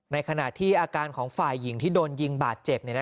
ในขณะที่อาการของฝ่ายหญิงที่โดนยิงบาดเจ็บ